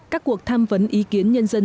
các cuộc tham vấn ý kiến nhân dân